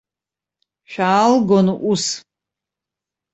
Шәаалгон ус.